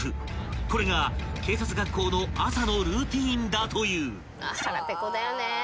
［これが警察学校の朝のルーティンだという］